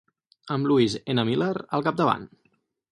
Amb Louis N. Miller al capdavant.